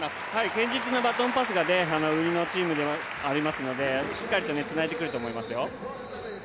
堅実なバトンパスが売りのチームではありますのでしっかりとつないでくると思いますよ。